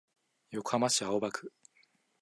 横浜市青葉区